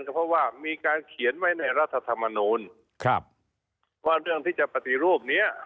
เพราะว่ามีการเขียนไว้ในรัฐธรรมนูลครับว่าเรื่องที่จะปฏิรูปเนี้ย